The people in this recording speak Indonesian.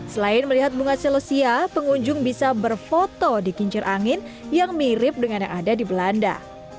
selain melihat bunga celosia pengunjung bisa berfoto di kincir angin yang mirip dengan yang ada di belanda